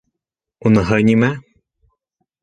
Уныһы нимә?